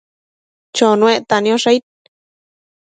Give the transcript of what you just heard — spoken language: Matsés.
Chonuecta niosh aid ?